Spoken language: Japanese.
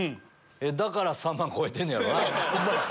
だから３万超えてんねやろな。